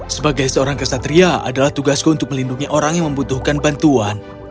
sebagai seorang kesatria adalah tugasku untuk melindungi orang yang membutuhkan bantuan